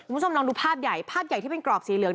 คุณผู้ชมลองดูภาพใหญ่ภาพใหญ่ที่เป็นกรอบสีเหลือง